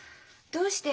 どうして？